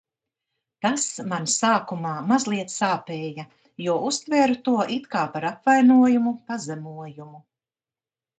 Tas man sākumā mazliet sāpēja, jo uztvēru to it kā par apvainojumu, pazemojumu.